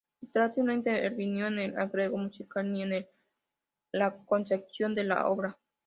Strauss no intervino en el arreglo musical ni en la concepción de la obra.